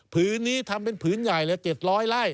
ผืนนี้ทำเป็นผืนใหญ่เลย๗๐๐ไร่